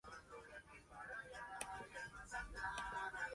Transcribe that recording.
El ataque debía ser simultáneo y la señal sería un cañonazo.